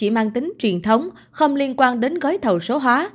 chỉ mang tính truyền thống không liên quan đến gói thầu số hóa